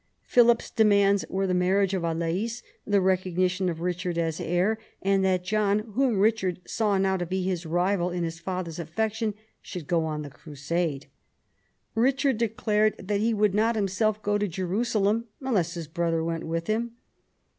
Philip's demands were the marriage of Alais, the recognition of Eichard as heir, and that John, whom Eichard saw now to be his rival in his father's affection, should go on the crusade. Eichard declared that he would not himself go to Jerusalem unless his brother went with him.